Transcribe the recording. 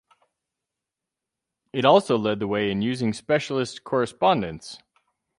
It also led the way in using specialist correspondents.